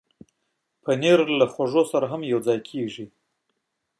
پنېر د خواږو سره هم یوځای کېږي.